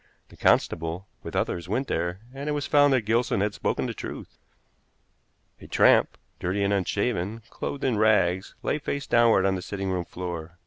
The constable, with others, went there, and it was found that Gilson had spoken the truth. A tramp, dirty and unshaven, clothed in rags, lay face downward on the sitting room floor.